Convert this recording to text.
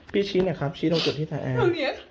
พี่ชี้เนี่ยครับชี้ตรงจุดที่ใส่แอร์